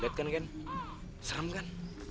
lihat kan serem kan